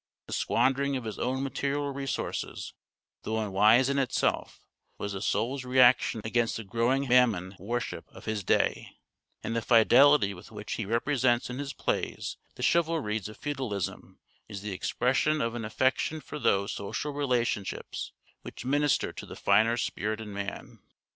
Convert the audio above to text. The squandering of his own material resources, though unwise in itself, was the soul's reaction against the growing Mammon worship of his day : and the fidelity with which he represents in his plays the chivalries of feudalism is the expression of an affection for those social relationships which minister to the finer spirit in man.